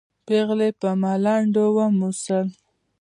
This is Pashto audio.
پېغلې په ملنډو وموسل.